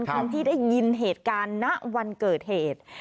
คนที่ได้ยินเหตุการณ์ณวันเกิดเหตุ